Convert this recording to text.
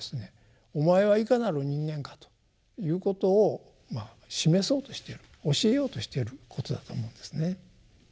「お前はいかなる人間か」ということを示そうとしている教えようとしていることだと思うんですね。